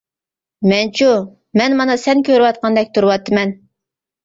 مەنچۇ، مەن مانا سەن كۆرۈۋاتقاندەك تۇرۇۋاتىمەن.